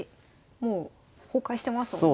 もう崩壊してますもんね。